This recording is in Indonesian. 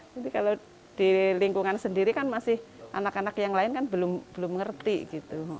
kalau di lingkungan sendiri kan masih anak anak yang lain kan belum ngerti gitu